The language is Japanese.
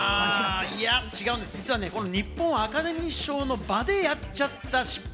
いや違うんです、実は日本アカデミー賞の場でやっちゃった失敗。